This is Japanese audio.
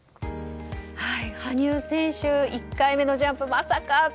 羽生選手、１回目のジャンプまさか。